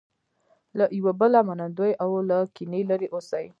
له یو بله منندوی او له کینې لرې اوسي.